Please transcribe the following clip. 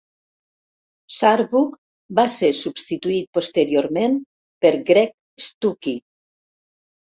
Sharbough va ser substituït posteriorment per Greg Stukey.